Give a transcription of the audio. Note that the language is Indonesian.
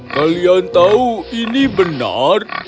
tahu tahu ini benar